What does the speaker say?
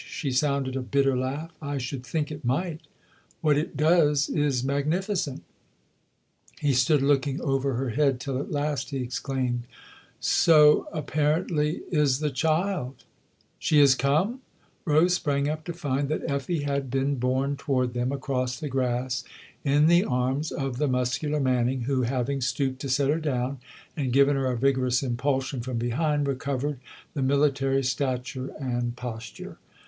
She sounded a bitter laugh. " I should think it might ! What it does is magnificent !" He stood looking over her head till at last he exclaimed :" So, apparently, is the child !"" She has come ?" Rose sprang up to find that Effie had been borne toward them, across the grass, in the arms of the muscular Manning, who, having stooped to set her down and given her a vigorous THE OTHER HOUSE 215 impulsion from behind, recovered the military stature and posture.